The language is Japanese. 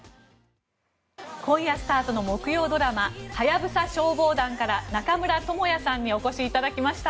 今夜スタートの木曜ドラマ「ハヤブサ消防団」から中村倫也さんにお越しいただきました。